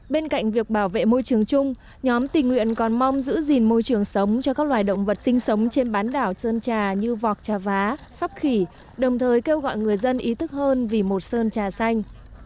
bên cạnh việc bảo vệ môi trường chung nhóm tình nguyện còn mong giữ gìn môi trường sống cho các loài động vật sinh sống trên bán đảo sơn trà như vọc trà vá sắp khỉ đồng thời kêu gọi người dân ý thức hơn vì một sơn trà xanh